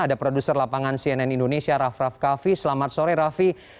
ada produser lapangan cnn indonesia raff raff kaffi selamat sore raffi